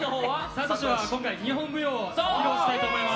さとしは今回、日本舞踊を披露したいと思います。